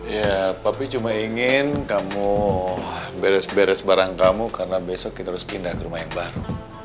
ya papa cuma ingin kamu beres beres barang kamu karena besok kita harus pindah ke rumah yang baru